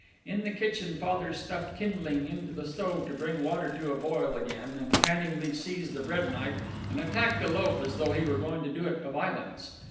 In the kitchen Father stuffed kindling into the stove to bring the water to a boil again, and pantingly seized the bread knife and attacked a loaf as though he were going to do it a violence.